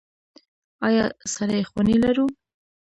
آیا سړې خونې لرو؟